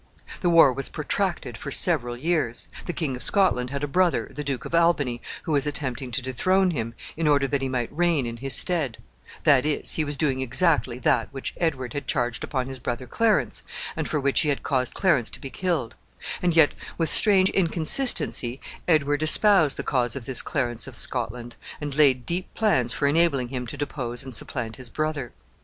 The war was protracted for several years. The King of Scotland had a brother, the Duke of Albany, who was attempting to dethrone him, in order that he might reign in his stead; that is, he was doing exactly that which Edward had charged upon his brother Clarence, and for which he had caused Clarence to be killed; and yet, with strange inconsistency, Edward espoused the cause of this Clarence of Scotland, and laid deep plans for enabling him to depose and supplant his brother.